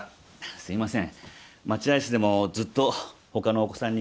すみません。